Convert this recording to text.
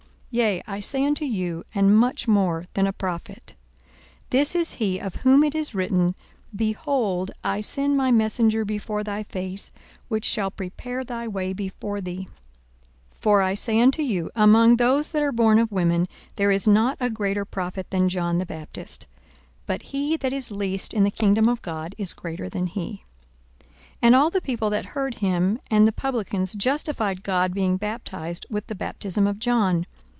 Yea, I say unto you, and much more than a prophet. 42:007:027 This is he, of whom it is written, Behold, I send my messenger before thy face, which shall prepare thy way before thee. 42:007:028 For I say unto you, Among those that are born of women there is not a greater prophet than John the Baptist: but he that is least in the kingdom of God is greater than he. 42:007:029 And all the people that heard him, and the publicans, justified God, being baptized with the baptism of John.